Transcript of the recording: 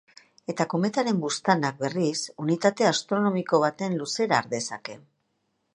Eta kometaren buztanak, berriz, unitate astronomiko baten luzera har dezake.